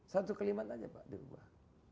satu kelima saja pak dirubah